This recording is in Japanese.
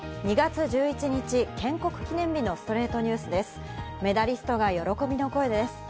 ２月１１日、建国記念日の『ストレイトニュース』です。